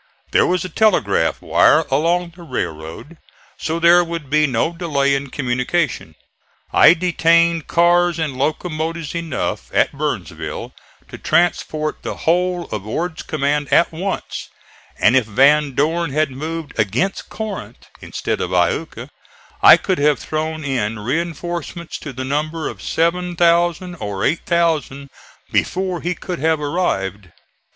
There was a telegraph wire along the railroad, so there would be no delay in communication. I detained cars and locomotives enough at Burnsville to transport the whole of Ord's command at once, and if Van Dorn had moved against Corinth instead of Iuka I could have thrown in reinforcements to the number of 7,000 or 8,000 before he could have arrived.